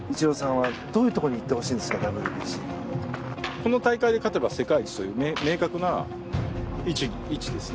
この大会で勝てば世界一という明確な位置ですね。